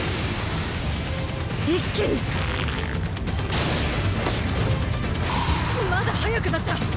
一気にまだ速くなった！